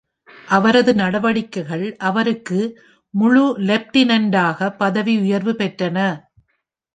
அவரது நடவடிக்கைகள் அவருக்கு முழு லெப்டினெண்டாக பதவி உயர்வு பெற்றன.